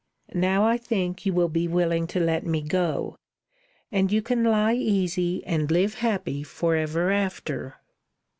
Now I think you will be willing to let me go; and you can lie easy and live happy for ever after."